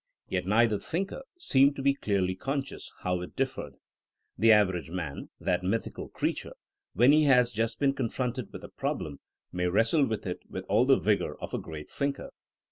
Yet neither thinker seemed to be clearly conscious how it differed. The average man (that mythical creature 1) when he has just been confronted with a problem, may wrestle with it with all the vigor of a great thinker.